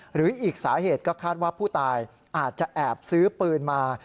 หรืออีกสาเหตุก็คาดว่าผู้ตายอาจจะแอบซื้อปืนมา